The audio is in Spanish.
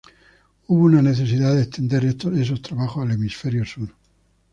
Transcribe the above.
Hubo una necesidad de extender esos trabajos al Hemisferio Sur.